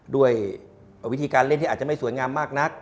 ด้วยวิธีการเล่นที่อาจจะไม่สวยงามมากนัก